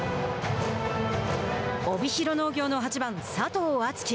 帯広農業の８番、佐藤敦基。